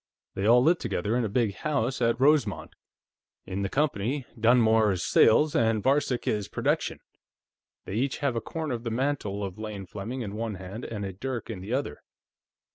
They all live together, in a big house at Rosemont. In the company, Dunmore is Sales, and Varcek is Production. They each have a corner of the mantle of Lane Fleming in one hand and a dirk in the other.